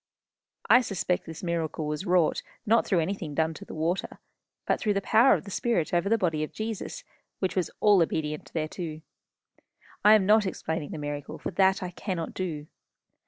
I suspect this miracle was wrought, not through anything done to the water, but through the power of the spirit over the body of Jesus, which was all obedient thereto. I am not explaining the miracle, for that I cannot do.